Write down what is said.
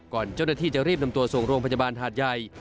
เจ้าหน้าที่จะรีบนำตัวส่งโรงพยาบาลหาดใหญ่